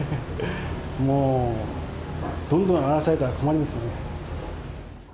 もう、どんどん荒らされたら困りますよね。